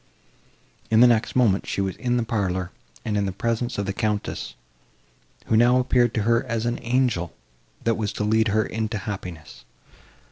In the next moment, she was in the parlour, and in the presence of the Countess who now appeared to her as an angel, that was to lead her into happiness.